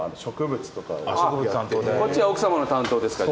こっちが奥さまの担当ですか？